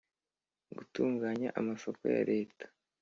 gutunganya amasoko ya leta